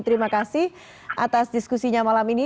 terima kasih atas diskusinya malam ini